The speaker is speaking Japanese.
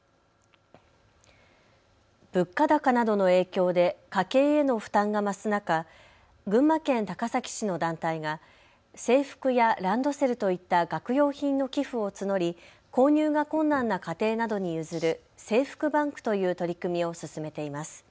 物価高などの影響で家計への負担が増す中、群馬県高崎市の団体が制服やランドセルといった学用品の寄付を募り購入が困難な家庭などに譲る制服バンクという取り組みを進めています。